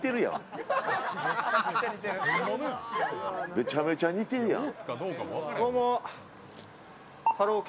めちゃめちゃ似てるやん。